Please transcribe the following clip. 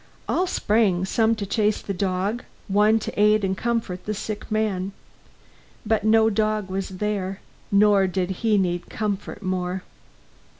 All sprang; some to chase the dog, one to aid and comfort the sick man. But no dog was there, nor did he need comfort more.